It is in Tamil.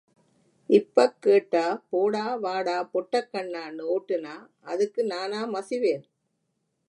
இப்பக் கேட்டா, போடா வாடாப் பொட்டக் கண்ணான்னு ஓட்டுனா அதுக்கு நானா மசிவேன்!